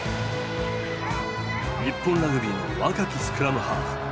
日本ラグビーの若きスクラムハーフ。